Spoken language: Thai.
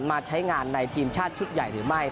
มาใช้งานในทีมชาติชุดใหญ่หรือไม่